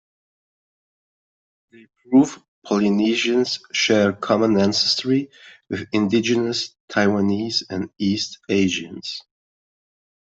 They prove Polynesians share common ancestry with indigenous Taiwanese and East Asians.